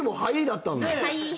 だったんだ